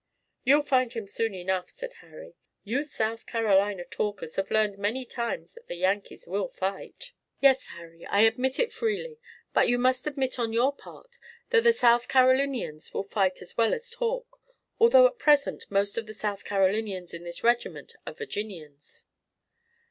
"You'll find him soon enough," said Harry. "You South Carolina talkers have learned many times that the Yankees will fight." "Yes, Harry, I admit it freely. But you must admit on your part that the South Carolinians will fight as well as talk, although at present most of the South Carolinians in this regiment are Virginians."